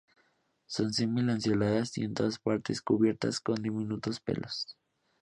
Son semi-lanceoladas y en todas partes cubiertas con diminutos pelos.